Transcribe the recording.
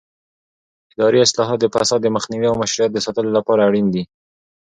اداري اصلاحات د فساد د مخنیوي او مشروعیت د ساتلو لپاره اړین دي